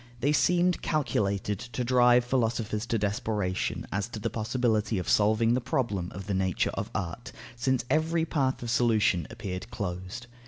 They seemed calculated to drive philosophers to desperation as to the possibility of solving the problem of the nature of art, since every path of solution appeared closed.